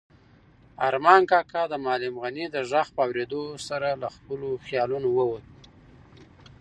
ارمان کاکا د معلم غني د غږ په اورېدو سره له خپلو خیالونو ووت.